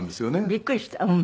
びっくりした。